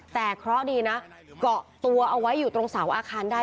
แต่เคราะห์ดีนะเกาะตัวเอาไว้อยู่ตรงเสาอาคารได้